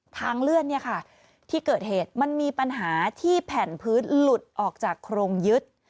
ทางเลื่อนเนี่ยค่ะที่เกิดเหตุมันมีปัญหาที่แผ่นพื้นหลุดออกจากโครงยึด